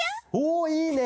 おいいね！